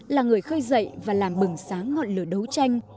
là người khơi dậy và làm bừng sáng ngọn lửa đấu tranh